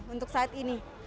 untuk saat ini